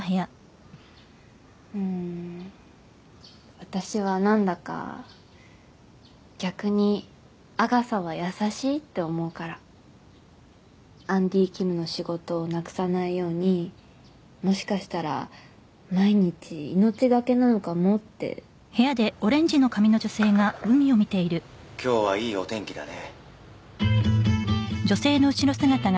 うーん私はなんだか逆にアガサは優しいって思うからアンディキムの仕事をなくさないようにもしかしたら毎日命懸けなのかもって「今日はいいお天気だね」